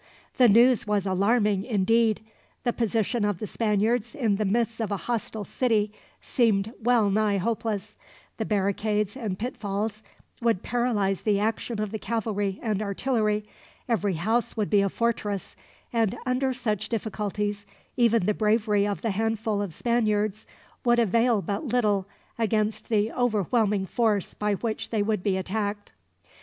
The news was alarming, indeed. The position of the Spaniards in the midst of a hostile city seemed well nigh hopeless the barricades and pitfalls would paralyze the action of the cavalry and artillery, every house would be a fortress, and under such difficulties even the bravery of the handful of Spaniards would avail but little against the overwhelming force by which they would be attacked.